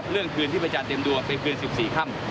เรื่องคืนที่ไปชาญเต็มดวงมาไปคืน๑๔ค่ำ